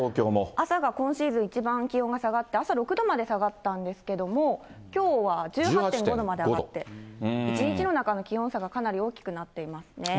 朝が今シーズン一番気温が下がって、朝６度まで下がったんですけども、きょうは１８．５度まで上がって、一日の中の気温差がかなり大きくなっていますね。